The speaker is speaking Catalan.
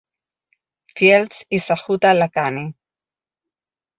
Fields i Sujata Lakhani.